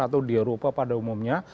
atau di eropa pada umumnya